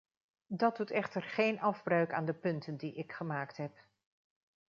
Dat doet echter geen afbreuk aan de punten die ik gemaakt heb.